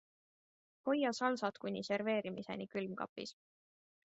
Hoia salsat kuni serveerimiseni külmkapis.